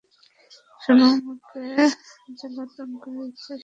শোনো, আমাকে জ্বালাতন করার ইচ্ছা থেকে থাকলে, আমি অন্য সিটে গিয়ে বসব।